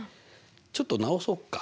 ちょっと直そうか。